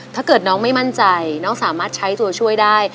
ถ้าเกิดน้องไม่มั่นใจน้องสามารถใช้ตัวช่วยได้